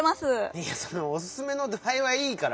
いやおすすめのどあいはいいから。